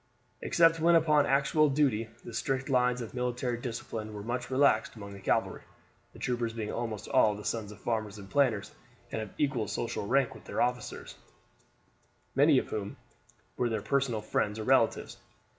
Except when upon actual duty the strict lines of military discipline were much relaxed among the cavalry, the troopers being almost all the sons of farmers and planters and of equal social rank with their officers, many of whom were their personal friends or relatives.